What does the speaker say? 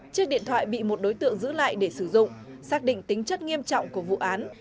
chiếc điện thoại bị một đối tượng giữ lại để sử dụng xác định tính chất nghiêm trọng của vụ án